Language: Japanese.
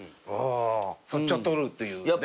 ああそっちを取るっていうね。